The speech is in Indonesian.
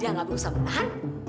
dia gak berusaha menahan